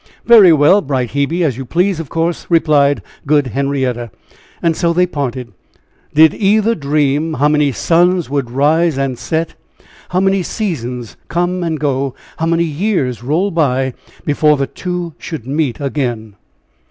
"Very well, bright Hebe; as you please, of course," replied good Henrietta. And so they parted. Did either dream how many suns would rise and set, how many seasons come and go, how many years roll by, before the two should meet again?